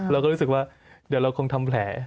เราก็รู้สึกว่าเดี๋ยวเราคงทำแผล